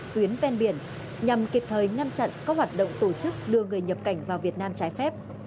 tuyến ven biển nhằm kịp thời ngăn chặn các hoạt động tổ chức đưa người nhập cảnh vào việt nam trái phép